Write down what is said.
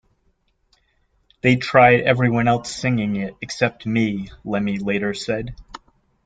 "They tried everyone else singing it except me", Lemmy later said.